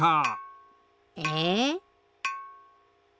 え？